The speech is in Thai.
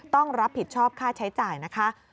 ต้องรับผิดชอบค่าใช้จ่ายนะคะ